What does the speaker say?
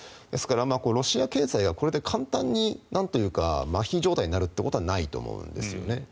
ですからロシア経済がこれで簡単にまひ状態になることはないと思うんですよね。